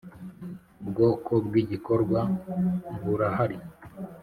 Ubwoko bw’ igikorwa burahari.